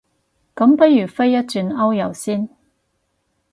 咁不如飛一轉歐遊先